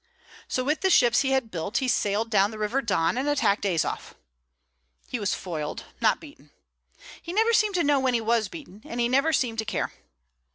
So with the ships he had built he sailed down the River Don and attacked Azof. He was foiled, not beaten. He never seemed to know when he was beaten, and he never seemed to care.